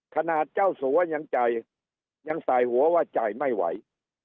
ขนาดเจ้าสัวยังจ่ายยังสายหัวว่าจ่ายไม่ไหว